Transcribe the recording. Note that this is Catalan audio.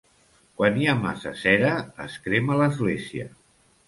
Quan hi ha massa cera es crema l'església.